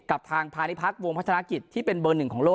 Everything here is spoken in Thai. กับทางพาณิพักษ์วงพัฒนากิจที่เป็นเบอร์หนึ่งของโลก